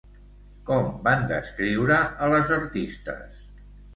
Com van descriure a les artistes?